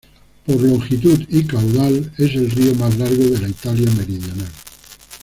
Por longitud y caudal, es el río más largo de la Italia meridional.